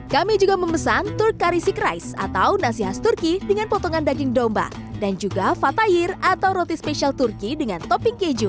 kami juga memesan turk kari seek rice atau nasi khas turki dengan potongan daging domba dan juga fatayir atau roti spesial turki dengan topping keju